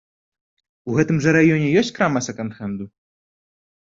У гэтым жа раёне ёсць крама сэканд-хэнду.